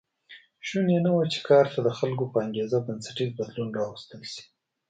شونې نه وه چې کار ته د خلکو په انګېزه بنسټیز بدلون راوستل شي